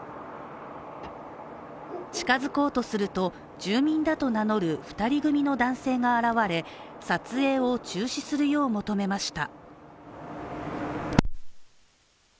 近づこうとすると、住民だと名乗る２人組の男性が現れ、撮影を中止するよう求めました。